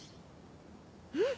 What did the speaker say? うん。